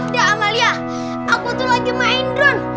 udah amalia aku tuh lagi main drone